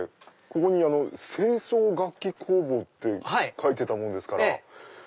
ここに清掃楽器工房って書いてたもんですから。